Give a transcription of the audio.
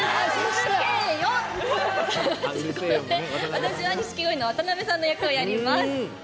そして、私は錦鯉の渡辺さんの役をやります。